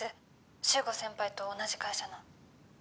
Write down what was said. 修吾先輩と同じ会社の」